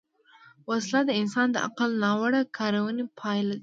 وسله د انسان د عقل ناوړه کارونې پایله ده